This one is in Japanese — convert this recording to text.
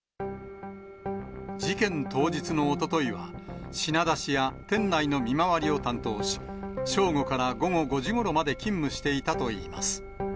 事件当日のおとといは、品出しや店内の見回りを担当し、正午から午後５時ごろまで勤務していたといいます。